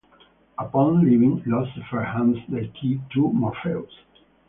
Upon leaving, Lucifer hands the key to Morpheus.